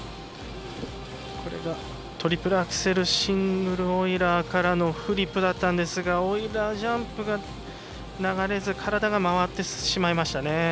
トリプルアクセルシングルオイラーからのフリップだったんですがオイラージャンプが流れず体が回ってしまいましたね。